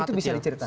itu bisa diceritakan